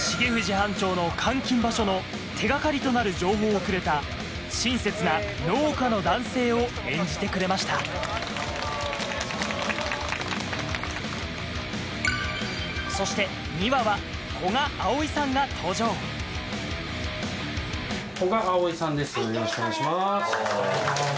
班長の監禁場所の手掛かりとなる情報をくれた親切な農家の男性を演じてくれましたそしてよろしくお願いします。